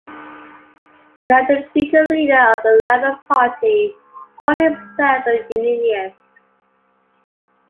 Kinnock, the future leader of the Labour Party, called himself a 'unionist'.